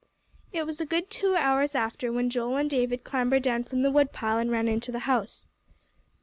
It was a good two hours after when Joel and David clambered down from the woodpile, and ran into the house.